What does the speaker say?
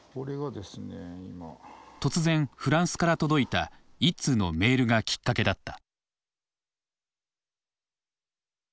突然フランスから届いた１通のメールがきっかけだった。